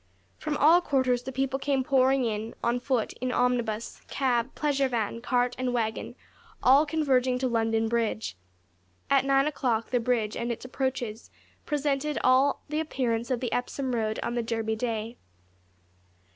From all quarters the people came pouring in, on foot, in omnibus, cab, pleasure van, cart, and waggon all converging to London Bridge. At nine o'clock the bridge and its approaches presented all the appearance of the Epsom Road on the Derby Day.